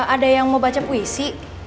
ada yang mau baca puisi